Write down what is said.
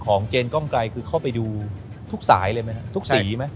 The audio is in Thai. เจนกล้องไกลคือเข้าไปดูทุกสายเลยไหมครับทุกสีไหม